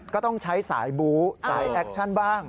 ก็ต้องใช้สายบู๊สายแอคชั่นบ้าง